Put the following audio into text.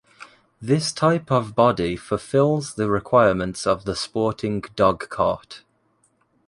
This type of body fulfils the requirements of the sporting dogcart.